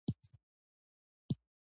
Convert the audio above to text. د افغانستان طبیعت له دغو کلیو جوړ شوی دی.